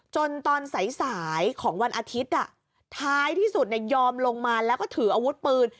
ตอนสายของวันอาทิตย์ท้ายที่สุดยอมลงมาแล้วก็ถืออาวุธปืน